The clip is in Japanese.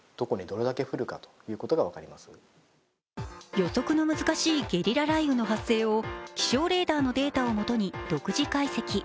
予測の難しいゲリラ雷雨の発生を気象レーダーのデータをもとに独自解析。